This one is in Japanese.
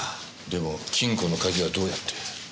でも金庫の鍵はどうやって。